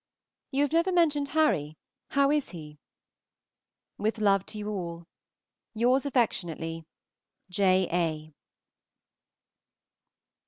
You have never mentioned Harry; how is he? With love to you all, Yours affectionately, J. A.